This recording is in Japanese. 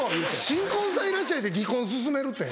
『新婚さんいらっしゃい！』で離婚勧めるって。